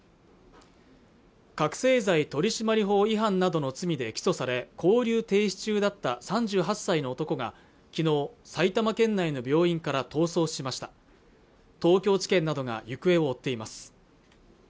覚醒剤取締法違反などの罪で起訴され勾留停止中だった３８歳の男がきのう埼玉県内の病院から逃走しました東京地検などが行方を追っています